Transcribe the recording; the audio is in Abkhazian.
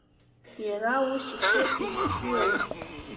Иара ус ихы ирқьион…